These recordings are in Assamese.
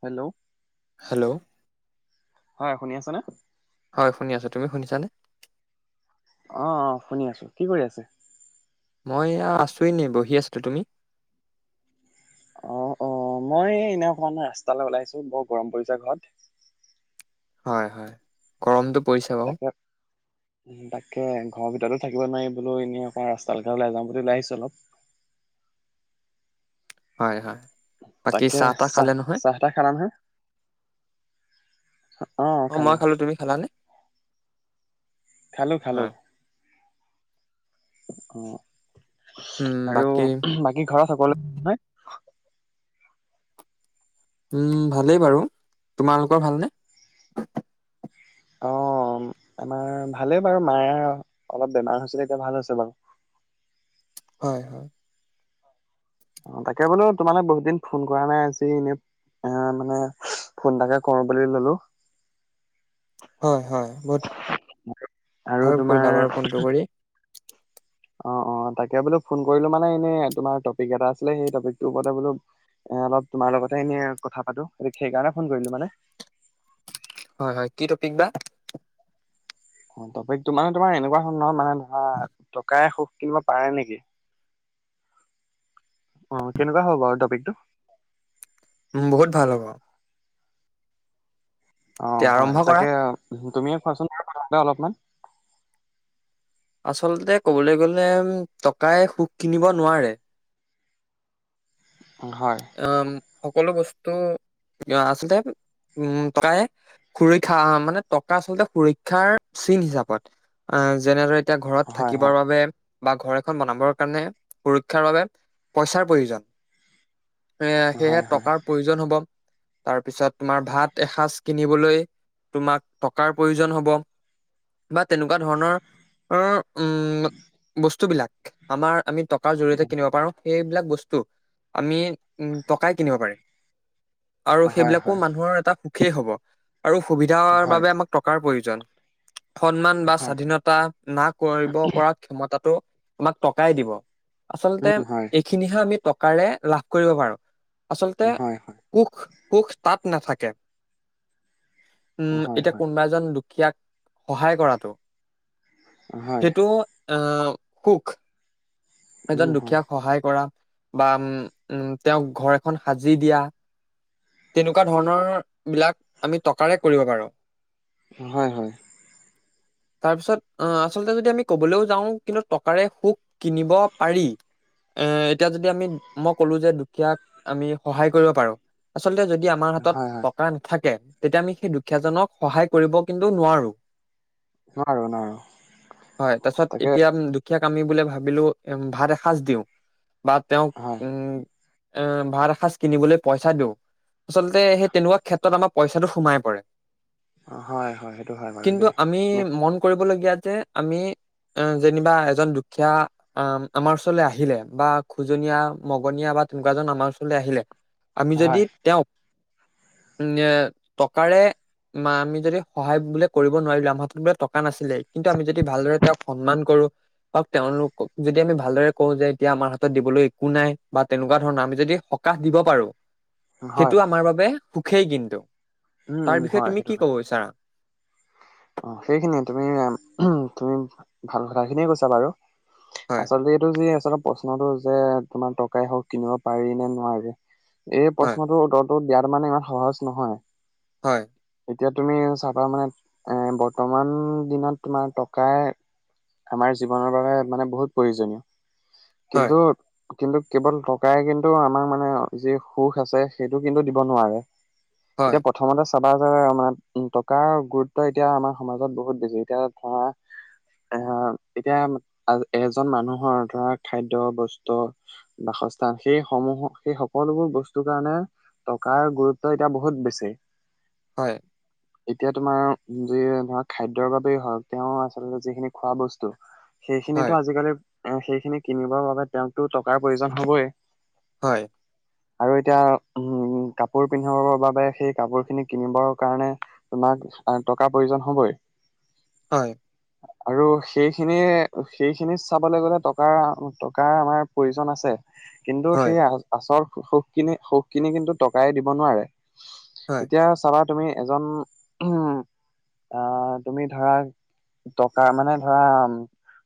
হেল্ল', হেল্ল', হয় শুনি আছনে। হয় শুনি আছো তুমি শুনিছানে? অ' অ' শুনি আছোঁ কি কৰি আছে মই এয়া আছোৱেইে ন বহি আছিলো তুমি? অ - অ মই এনে অকমান ৰাস্তালৈ ওলাইছো বৰ গৰম পৰিছে ঘৰত। হয় - হয় গৰমটো পৰিছে বাৰু তাকে তাক ত 'ঘৰৰ ভিতৰতো থাকিব নোৱাৰি বোলো এনেই অকণ ৰাস্তাাল ঘ ওাই যাও বুলি ওলাই আহিছো অলপ। [inaudible] হয় - হয় বাকী তাকে চাহ তাহ খালে নহয়। চাহ তাহ খালা নহয়? অ' মই খালো তুমি খালানে খালো - খালো। হয় অ, উম আৰু বাকী বাকী ঘৰত সকলো নয়। উম, ভালেই বাৰু তোমালোকৰ ভালনে? অ আমাৰ ভালেই বাৰু মায়ে অলপ বেমাৰ হৈছিলে এতিয়া ভাল হৈছে বাৰু। [inaudible] হয়-হয়। অ তাকে বোলো তোমালে বহুত দিন ফোন কৰা নাই আজি এনেই এ মানে ফোন এটাকে কৰো বুলি ললো। হয়, হয় বহুত আৰু ভাল কৰিলা বাৰু ফোনটো কৰি। অ-অ তাকে বোলো ফোন কৰিলো মানে এনে তোমাৰ টপিক এটা আছিলে সেই টপিকটোৰ ওপৰতে বোলো এ অলপ তোমাৰ লগতে এনেই কথা পাতো সেইকাৰণে ফোন কৰিলো মানে। হয় হয় কি টপিক বা? টপিকটো মানে তোমাৰ এনেকুৱা হল ন মানে ধৰা, টকাৰে সুখ কিনিব পাৰে নেকি? অ ', কেনেকুৱা হ'ব বাৰু টপিকটো। উম বহুত ভাল হ'ব। এতিয়া অ', হয় আৰম্ভ কৰা তাকে তুমিয়ে কোৱাচোন মানে অলপমান? আচলতে কবলৈ গলে টকাই সুখ কিনিব নোৱাৰে। হয়। আম সকলো বস্তু কিয় আচলতে উম টকাই সুৰক্ষা মানে টকা আচলতে সুৰক্ষাৰ চিন হিচাপত। আহ যেনেদৰে এতিয়া ঘৰত হয় থাকিবৰ হয় বাবে বা ঘৰ এখন বনাবৰ কাৰণে সুৰক্ষাৰ বাবে পইচাৰ প্ৰয়োজন। এ! সেয়েহে হয় হয় টকাৰ প্ৰয়োজন হব। তাৰপিছত তোমাৰ ভাত এসাঁজ কিনিবলৈ তোমাক টকাৰ প্ৰয়োজন হব, বা তেনেকুৱা ধৰণৰ উম বস্তু বিলাক আমাৰ আমি টকাৰ জৰিয়তে কিনিব পাৰো, সেইবিলাক বস্তু আমি উ'ম টকাই কিনিব পাৰিম। আৰু হয় সেইবিলাকো হয় মানুহৰ এটা সুখেই হব আৰু সুবিধাৰ হয় বাবে আমাক টকাৰ প্ৰয়োজন। সন্মান বা হয় হয় স্বাধীনতা না কৰিব পৰা ক্ষমতাটো তোমাক টকাই দিব। আচলতে উম হয় এইখিনিহে আমি টকাৰে লাভ কৰিব পাৰো। আচলতে, হয় হয় সুখ-সুখ, সুখ তাত নাথাকে। উম, হয় এতিয়া হয় কোনোবা এজন দুখীয়াক সহায় কৰাটো হয় সেইটো, অ', কুক। এজন উম হয় দুখীয়াক সহায় কৰা, বা উম উ'ম, তেওঁক ঘৰ এখন সাজি দিয়া। তেনেকুৱা ধৰণৰবিলাক, আমি টকাৰে কৰিব পাৰোঁ। হয়, হয়। তাৰপিছত আহ আচলতে যদি আমি কবলৈও যাও কিন্তু টকাৰে সুখ কিনিব পাৰি। এ এতিয়া যদি আমি মই ক'লো যে দুখীয়াক আমি সহায় কৰিব পাৰোঁ। আচলতে যদি আমাৰ হাতত হয় হয় টকা নাথাকে। তেতিয়া আমি সেই দুখীয়াজনক সহায় কৰিব কিন্তু নোৱাৰোঁ। নোৱাৰো নোৱাৰো হয় তাৰছত তাকে এতিয়া দুখীয়াক আমি বুলে ভাবিলো এ ভাত এসাঁজ দিওঁ, বা তেওঁক হয় উম এ! ভাত এসাজ কিনিবলৈ পইচা দিও। আচলতে সেই তেনেকুৱা ক্ষেত্ৰত আমাক পইচাটো সোমাই পৰে, অ', হয়, হয়, সেইটো হয় বাৰু কিন্তু দেই। আমি তুমি মন কৰিবলগীয়া তে আমি। এ যেনিবা এজন দুখীয়া আহ আমাৰ ওচৰলে আহিলে বা খোজনীয়া মগনীয়া বা তেনেকুৱা এজন আমাৰ ওচৰলৈ আহিলে, আমি যদি হয়, তেওঁক [unintelligible] টকাৰে মা আমি যদি সহায় বোলে কৰিব নোৱাৰিলোঁ আমাৰ হাতত বোলে টকা নাছিলে কিন্তু আমি যদি ভালদৰে তেওঁক সন্মান কৰোঁ। তেওঁলোকক যদি আমি ভালদৰে কওঁ যে এতিয়া আমাৰ হাতত দিবলৈ কো নাই বা তেনেকুৱা ধৰণৰ আমি যদি সকাহ দিব পাৰো, হয়, সেইটো আমাৰ বাবে সুখেই কিন্তু, উম, তাৰ উম, বিষয়ে হয়, তুমি সেইটো কি হয়। কব বিচাৰা? অ', সেইখিনিয়ে তুমি-তুমি, ভাল কথাখিনিয়ে কৈছা বাৰু। হয়, আচলতে, এইটো যি আছে। তাৰ প্ৰশ্নতটো যে, তোমাৰ টকা এ হওঁক কিনিব পাৰি নে নোৱাৰে? এই হয়, প্ৰশ্নতো দত। টো দিয়াটো মানে ইমান সহজ নহয়। হয়। এতিয়া তুমি চাবা মানে, এ বৰ্তমান দিনত তোমাৰ টকা। আমাৰ জীৱনৰ বাবে মানে বহুত প্ৰয়োজনীয় হয়, কিন্তু। কিন্তু, কেৱল টকাই কিন্তু আমাৰ মানে যি সুখ আছে। সেইটো কিন্তু দিব নোৱাৰে। হয়, এতিয়া প্ৰথমতে চাব। বা আমাৰ উম, টকাৰ গুৰুত্ব এতিয়া আমাৰ সমাজত বহুত বেছি এতিয়া ধৰা। এ-এতিয়া আমাৰ এজন মানুহৰ ধৰা খাদ্য বস্তু বা। বাসস্থান সেই সমূহ সেই সকলোবোৰ বস্তুৰ কাৰণে। টকাৰ গুৰুত্ব এতিয়া বহুত বেছি। হয়। এতিয়া তোমাৰ যি ধৰা খাদ্যয়ৰ বাবেই হওঁক তেওঁ আচলতে, যিখিনি খোৱা বস্তু। সেইখিনিটো আজিকালি এ সেইখিনি কিনিবৰ বাবে তেওঁকতো টকাৰ প্ৰয়োজন হবই। হয়। আৰু এতিয়া উম, কাপোৰ পিন্ধাবৰ বাবে সেই কাপোৰ খিনিক। কিনিবৰ কাৰণে, তোমাক টকা প্ৰয়োজন হ'বই। হয়। আৰু সেইখিনি সেইখিনিত চাবলৈ গ'লে টকাৰ টকা আমাৰ প্ৰয়োজন আছে। কিন্তু সেই আ-আচৰ সুখখিনি-সুখখিনি কিন্তু টকাই দিব নোৱাৰে। এতিয়া চাবা তুমি এজন উম, আহ, তুমি ধৰা। টকা মানে ধৰা।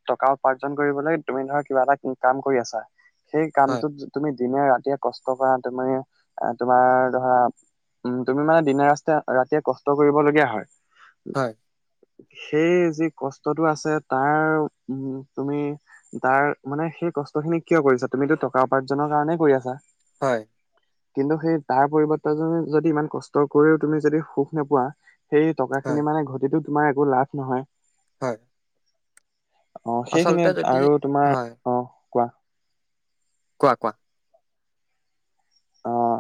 টকা উপাৰ্জন কৰিবলৈ তুমি ধৰা কিবা এটা কাম কৰি আছা। সেই কামটোত তুমি। দিনে ৰাতিয়ে কষ্ট কৰা তুমি তোমাৰ ধৰা উম। তুমি মানে দিনে ৰাস্তায়ে ৰাতিয়ে কষ্ট কৰিবলগীয়া হয়। হয়। সেই যি কষ্টটো আছে, তাৰ উম, তুমি তাৰ মানে সেই। কষ্টখিনি কিয় কৰিছা। তুমিতো টকা উপাৰ্জনৰ কাৰণে কৰি আছা। হয়। কিন্তু, সেই তাৰ পৰিবৰ্তন যদি ইমান কষ্ট কৰিও তুমি যদি সুখ নোপোৱা। সেই টকাখিনি মানে ঘটিতো তোমাৰ একো লাভ নহয়। হয়। অহ, সেইখিনিত আৰু তোমাৰ অহ, কোৱা। কোৱা-কোৱা। অহ,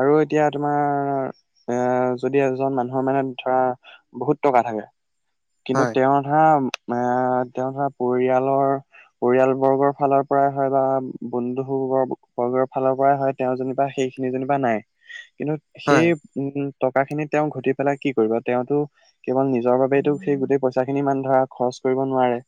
আৰু এতিয়া তোমাৰ। এ, যদি এজন মানুহৰ মানে ধৰা বহুত টকা থাকে। কিন্তু হয়, তেওঁৰ ধৰা এ, তেওঁৰ ধৰা পৰিয়ালৰ। পৰিয়াল বৰ্গৰ ফালৰ পৰাই হয় বা বন্ধু বৰ্গৰ ফালৰ পৰাই হয়, তেও যেনিবা সেই। সেইখিনি যেনিবা নাই। কিন্তু হয়, সেই উম, টকা খিনি তেওঁ ঘটি পেলাই কি কৰিব। তেওঁতটো কেৱল নিজৰ বাবেটো। সেই গোটেই পইচা খিনি ইমান ধৰা খৰচ কৰিব নোৱাৰে।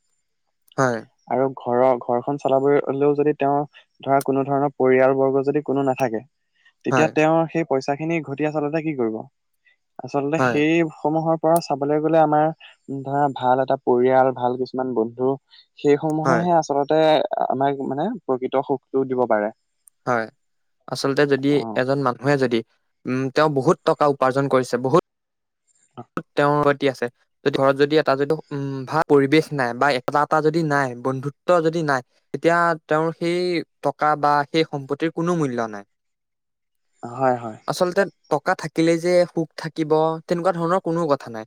হয়। আৰু ঘৰৰ ঘৰখনন চলাব হ'লেও যদি, তেওঁৰ ধৰা কোনো ধৰণৰ পৰিয়াল বৰ্গ যদি কোনো নাথাকে। তেতিয়া হয়, তেওঁৰ সেই পইচা খিনি ঘটি আচলতে, কি কৰিব। আচলতে, হয়, সেইসমূহৰ পৰা চাবলৈ গলে আমাৰ। ধৰা ভাল এটা পৰিয়াল ভাল কিছুমান বন্ধু সেই হয়, সমূহেহে আচলতে। আমাক মানে প্ৰকৃত সুখতটো দিব পাৰে। হয় আচলতে, যদি অ এজন মানুহে যদি। উম, তেওঁ বহুত টকা উপাৰ্জন কৰিছে বহুতত তেওঁৰ। দি আছে ঘৰত যদি এটা যদি উম ভাল পৰিৱেশ নাই বা এটা এটা যদি নাই বন্ধুত্ব যদি- নাই তেতিয়া তেওঁৰ সেই টকা বা সেই সম্পত্তিৰ কোনো মূল্য নাই। হয় -হয় আচলতে টকা থাকিলে যে সুখ থাকিব তেনেকুৱা ধৰণৰ কোনো কথা নাই।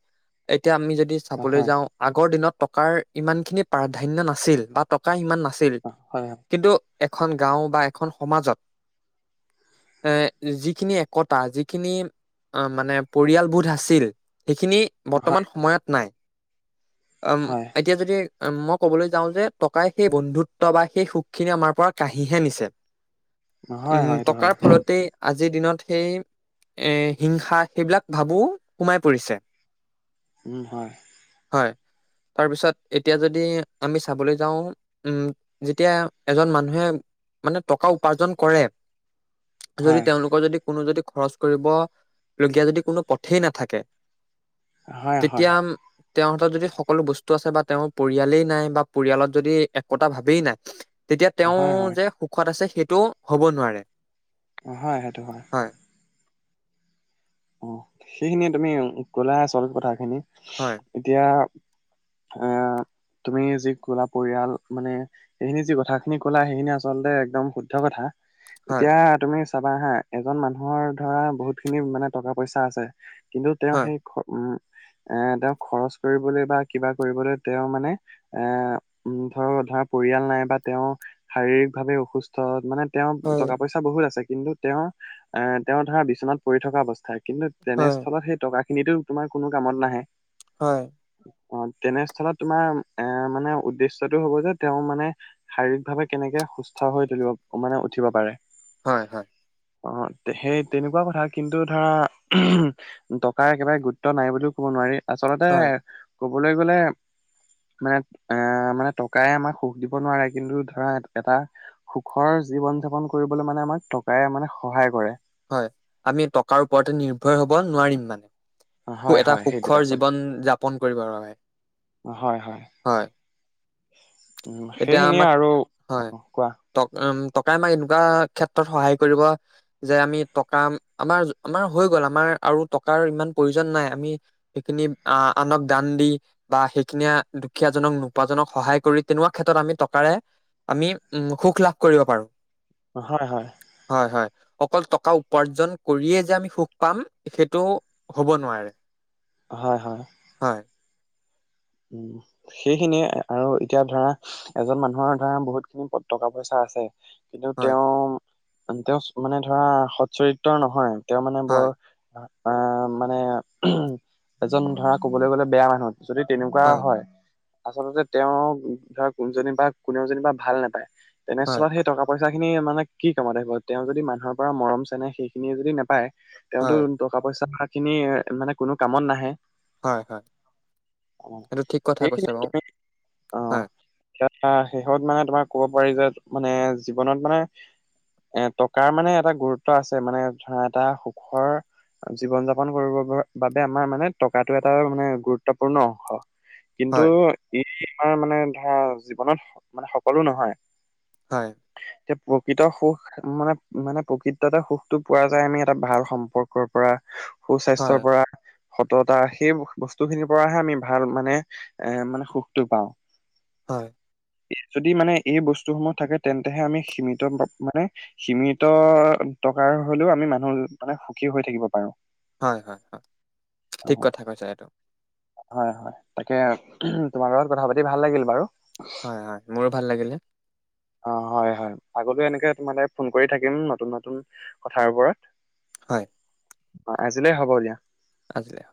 এই এতিয়া আমি যদি হয় চাবলৈ হয় যাওঁ আগৰ দিনত টকাৰ ইমান খিনি প্ৰাধান্য নাছিল বা টকা ইমান না- আছিল। হয় কিন্তু এখন গাঁও বা এখন সমাজত - এ যিখিনি একতা যিখিনি - অ, মানে পৰিয়ালবোধ আছিল। সেইখিনি হয় বৰ্তমান সময়ত নাই। আ ম হয় এতিয়া যদি - উম, মই কবলৈ যাওঁ যে টকাই সেই বন্ধুত্ব বা সেই সুখখিনি আমাৰ পৰা কাঢ়িহে নিছে। হয় উম, সেইটো টকাৰ হয় ফলতে আজ- আজিৰ দিনত সেই এ হিংসা সেইবিলাক ভাবো সোমাই পৰিছে। উম হয় হয় তাৰপিছত এতিয়া যদি আমি চাবলৈ যাওঁ উম যেতিয়া এজন মানুহে- মানে টকা উপাৰ্জন কৰে। যদি হয় তেওঁলোকৰ যদি কোনো যদি - খৰচ কৰিব, লগীয়া যদি কোনো পথেই নাথাকে- হয় -হয় তেতিয়া উম, তেওঁৰ হাতত যদি সকলো বস্তু আছে বা তেওঁৰ পৰিয়ালেই নাই বা পৰিয়ালত যদি একতা ভাবেই নাই তেতিয়া তেওঁ হয় হয় যে সুখত আছে সেইটো হ'ব নোৱাৰে। হয় হেটো হয়। অ সেইখিনিয়ে তুমি কলা আছল কথা খিনি হয়, এতিয়া - অ তুমি যি কলা পৰিয়াল মানে, এইখিনি যি কথাখিনি কলা সেইখিনি আচলতে একদম শুদ্ধ কথা। হয়, এতিয়া তুমি চাবা হা, এজন মানুহৰ ধৰা বহুত খিনি মানে টকা পইচা আছে কিন্তু তেওঁ হয়, সেই। [unintelligible] উম এ, তেওঁ খৰচ কৰিবলৈ বা কিবা কৰিবলৈ তেওঁ মানে এ ধৰ- ধৰা পৰিয়াল নাই বা তেওঁ শাৰীৰিক ভাৱে অসুস্থ মানেত - তেওঁ হয়, টকা-পইচা বহুত আছে কিন্তু তেওঁ এ তেওঁ ধৰা বিচনাত পৰি থকা অৱস্থ - কিন্তু হয়, তেনেস্থলত সেই টকা খিনিতো তোমাৰ কোনো কামত নাহে। হয়। অ' তেনেস্থলত তোমাৰ এ মানে উদ্দেশ্য টো হ'ব যে তেওঁ মানে শাৰীৰিক ভাৱে কেনেকে - সুস্থ হৈ তুলিব মানে উঠিব পাৰে। হয়, হয়। অ, সেই তেনেকুৱা কথা কিন্তুত ধৰা উ টকাৰ একেবাৰে গুৰুত্ব নাই বুলিও ক'ব নোৱাৰি আচলতে হয়, ক ক'বলৈ গ'লে নাই মানে টকাই আমাক সুখ দিব নোৱাৰে কিন্তু ধৰা এটা - সুখৰ জীৱন যাপন কৰিবলৈ মানে আমাক টকাই মানে সহায় কৰে। হয়। আমি টকাৰ ওপৰতে নিৰ্ভয় হব নোৱাৰিম মানে। সু হয় এটা হয় সেইটোৱে সুখৰ আচলতে। জীৱন যাপন কৰিবৰ বাবে হয় -হয় উ তেতিয়া সেইনিয়ে আমাক আৰু, হয় কোৱা। ট টকাই মাই এনেকুৱা ক্ষেত্ৰ সহায় কৰিব। যে আমি টকা, আমাৰ আমাৰ হৈ গ'ল আমাৰ আৰু টকাৰ ইমান প্ৰয়োজন নাই আমি সেইখিনি- আনক দান দি বা সেইখিনিয়ে দুখীয়াজনক নোপোজনক সহায় কৰি তেনেকুৱা ক্ষেত্ৰত আমি- টকাৰে, আমি উ সুখ লাভ কৰিব পাৰো। হয়, হয়। হয় হয় অকল টকা উপাৰ্জন কৰিয়ে যে আমি সুখ পাম সেইটো হ'ব নোৱাৰে। হয়- হয়। হয় উম, সেইখিনিয়ে আৰু এতিয়া ধৰা এজন মানুহৰ ধৰা বহুত খিনি টকা পইচা। আছে কিন্তু হয় তেওঁ-তেওঁ মানে ধৰা সৎ চৰিত্ৰৰ নহয়। তেওঁ মানে বৰ হয় অহ, মানে উম, এজন ধৰা ক'বলৈ গ'লে বেয়া মানুহ আছে যদি তেনেকুৱা হয় আচলতে তেও ধৰ কোনজনী বা কোনেওজনী বা ভাল নাপায়। হয় তেনেস্থলত সেই টকা পইচা, পইচা খিনি মানে কি কামত আহিব তেওঁ যদি মানুহৰ পৰা মৰম চেনে সেইখিনিয়ে যদি নাপায়। তেওঁতো হয় টকা পইচা খিনি মানে কোনো কামত নাহে। হয় - হয় অ' এইটো ঠিক কথা সেইখিনি কৈছে অ, হয়। আহ হেইখনত মানে তোমাক ক'ব পাৰি যে মানে জীৱনত মানে। এ টকাৰ মানে এটা গুৰুত্ব আছে মানে ধৰা এটা সুখৰ জীৱন যাপন কৰিব বাবে আমাৰ মানে টকাটো এটা মানে গুৰুত্ব পূৰ্ণ অংশ কিন্তু হয়, ই আমাৰ মানে ধৰা জীৱনত মানে সকলো নহয়। হয়। এতিয়া প্ৰকৃতৰ সুখ মানে-মানে প্ৰকৃততে সুখটো পোৱা যায় আমি এটা ভাল সম্পৰ্কৰ পৰা। সুস্বাস্থ্যৰ হয়, পৰা সততা সেই বস্তুখিনি, পৰাহে আমি ভাল মানে এ মানে সুখটো পাওঁ। হয়। ই যদি মানে এই বস্তুসমূহ থাকে তেন্তেহে আমি সীমিত মানে সীমিত। টকাৰ হলেও আমি মানুহ মানে সুখী হৈ থাকিব পাৰো। হয়-হয়-হয় ঠিক কথা কৈছা এইটো। হয়-হয় তাকে তোমাৰ লগত কথা পাতি ভাল লাগিল বাৰু। হয়, হয়, মোৰো ভাল লাগিলে। অ, হয়-হয় আগতে এনেকে সেইটোকে তোমালে ফোন কৰি থাকিম নতুন নতুন কথাৰ ওপৰত। হয়। অ, আজিলেই হ'ব দিয়া। আজি অ',